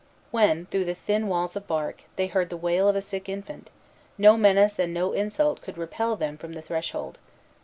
When, through the thin walls of bark, they heard the wail of a sick infant, no menace and no insult could repel them from the threshold.